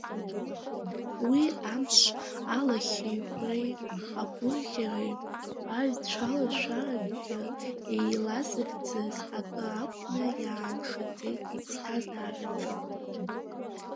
Уи амш алахьеиқәреи агәырӷьареи аҩцәалашәаракгьы еилазыгӡаз акы акәны иаанхаӡеит иԥсҭазаараҿы.